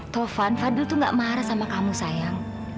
taufan fadil tuh nggak marah sama kamu sayang